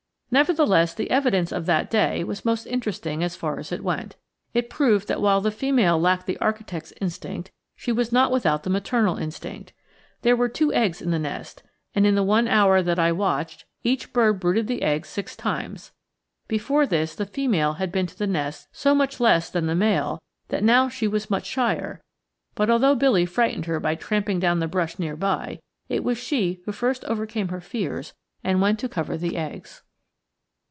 Nevertheless, the evidence of that day was most interesting as far as it went. It proved that while the female lacked the architect's instinct, she was not without the maternal instinct. There were two eggs in the nest, and in the one hour that I watched, each bird brooded the eggs six times. Before this, the female had been to the nest so much less than the male that now she was much shyer; but although Billy frightened her by tramping down the brush near by, it was she who first overcame her fears and went to cover the eggs.